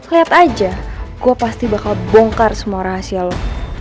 lihat aja gue pasti bakal bongkar semua rahasia lo